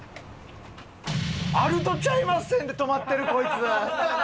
あるとちゃいまっせんで止まってるこいつ。